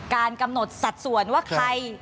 การกำหนดสัดส่วนว่าใคร